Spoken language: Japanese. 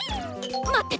まってて！